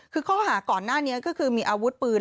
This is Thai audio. คือข้อหาก่อนหน้านี้ก็คือมีอาวุธปืน